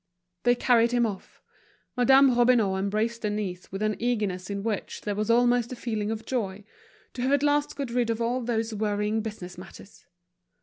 They carried him off. Madame Robineau embraced Denise with an eagerness in which there was almost a feeling of joy, to have at last got rid of all those worrying business matters.